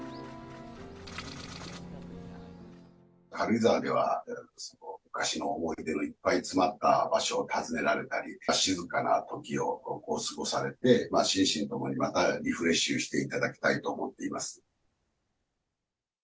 軽井沢では、昔の思い出のいっぱい詰まった場所を訪ねられたり、静かなときを過ごされて、心身ともにまたリフレッシュしていただきたいと思っています。